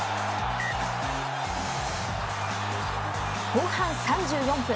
後半３４分。